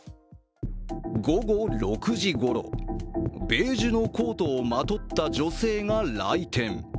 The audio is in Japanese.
午後６時ごろ、ベージュのコートをまとった女性が来店。